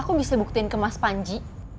aku bisa buktiin ke mas panji